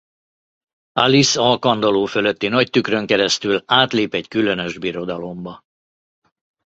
Alice a kandalló fölötti nagy tükrön keresztül átlép egy különös birodalomba.